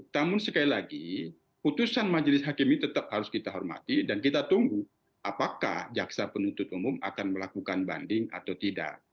namun sekali lagi putusan majelis hakim ini tetap harus kita hormati dan kita tunggu apakah jaksa penuntut umum akan melakukan banding atau tidak